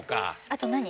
あと何？